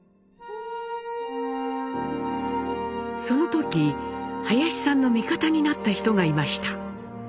その時林さんの味方になった人がいました。